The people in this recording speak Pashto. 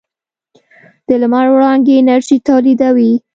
د لمر وړانګې انرژي تولیدوي.